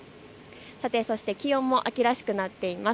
そして気温も秋らしくなっています。